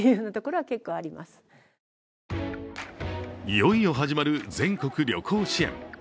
いよいよ始まる全国旅行支援。